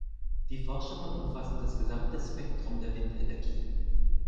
Die Forschungen umfassen das gesamte Spektrum der Windenergie.